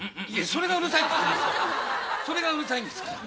それがうるさいんですから。